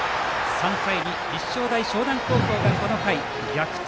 ３対２、立正大淞南高校がこの回、逆転。